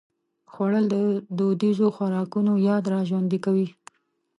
خوړل د دودیزو خوراکونو یاد راژوندي کوي